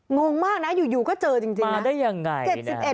งงมากนะอยู่ก็เจอจริงมาได้ยังไง